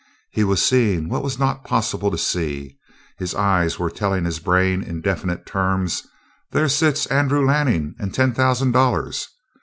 He was seeing what was not possible to see; his eyes were telling his brain in definite terms: "There sits Andrew Lanning and ten thousand dollars."